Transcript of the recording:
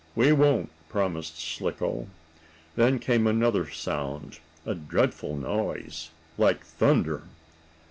"We won't!" promised Slicko. Then came another sound, a dreadful noise, like thunder.